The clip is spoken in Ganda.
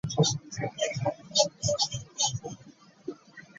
Fuba oyogereko nabo bategeere.